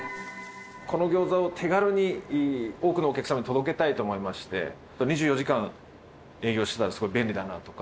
このギョーザを手軽に多くのお客さんに届けたいと思いまして、２４時間営業してたらすごい便利だなとか。